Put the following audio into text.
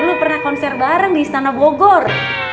lu pernah konser bareng di istana bogor